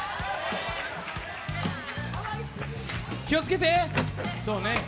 気をつけて。